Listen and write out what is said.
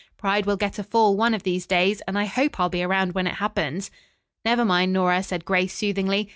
Pride will get a fall, one of these days, and I hope I'll be around when it happens." "Never mind, Nora," said Grace soothingly.